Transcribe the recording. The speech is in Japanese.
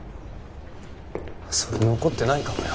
それ残ってないかもよ